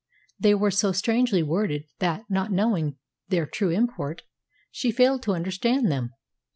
They were so strangely worded that, not knowing their true import, she failed to understand them.